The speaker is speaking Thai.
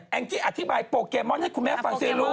แองจิอธิบายโปเกมอนให้คุณแม่ฟังเสียรู้